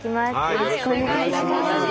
よろしくお願いします！